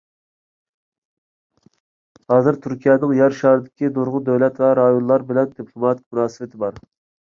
ھازىر تۈركىيەنىڭ يەر شارىدىكى نۇرغۇن دۆلەت ۋە رايونلار بىلەن دىپلوماتىك مۇناسىۋىتى بار.